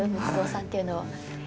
仏像さんっていうのは。